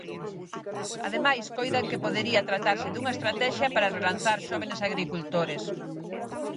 Ademais, coidan que podería tratarse dunha estratexia para relanzar Xóvenes Agricultores.